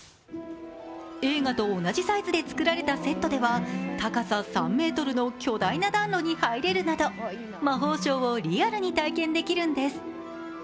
映画と同じサイズで造られたセットでは高さ３ｍの巨大な暖炉に入れるなど魔法省をリアルに体験できるんです。